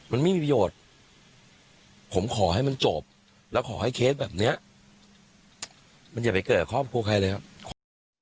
มันไม่มีประโยชน์ผมขอให้มันจบแล้วขอให้เคสแบบนี้มันอย่าไปเกิดครอบครัวใครเลยครับ